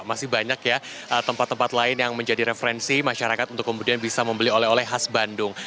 masih banyak ya tempat tempat lain yang menjadi referensi masyarakat untuk kemudian bisa membeli oleh oleh khas bandung